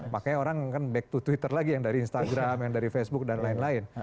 makanya orang kan back to twitter lagi yang dari instagram yang dari facebook dan lain lain